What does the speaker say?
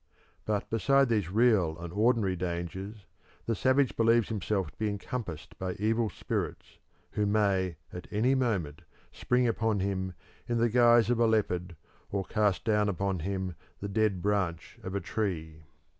But besides these real and ordinary dangers, the savage believes himself to be encompassed by evil spirits who may at any moment spring upon him in the guise of a leopard, or cast down upon him the dead branch of a tree.